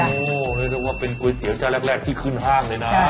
อ๋อนึกว่าเป็นก๋วยเตี๋ยวจ้าแรกที่ขึ้นห้างเลยนะ